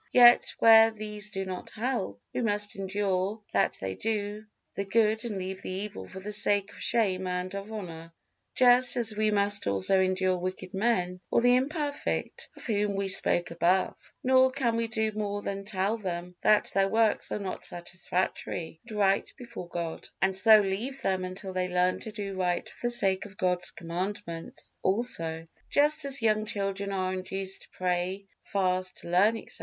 Yet where these do not help, we must endure that they do the good and leave the evil for the sake of shame and of honor, just as we must also endure wicked men or the imperfect, of whom we spoke above; nor can we do more than tell them that their works are not satisfactory and right before God, and so leave them until they learn to do right for the sake of God's commandments also. Just as young children are induced to pray, fast, learn, etc.